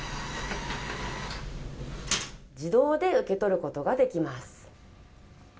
自動で受け取ることができます。